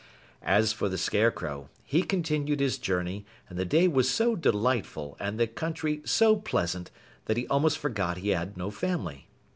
As for the Scarecrow, he continued his journey, and the day was so delightful and the country so pleasant that he almost forgot he had no family.